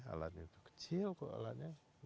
alat itu kecil kok alatnya